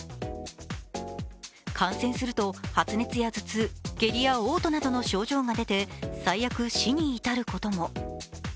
感染すると発熱や頭痛、下痢やおう吐などの症状が出て最悪、死に至ることも。